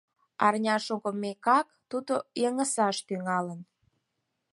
Арня шогымекак, тудо йыҥысаш тӱҥалын: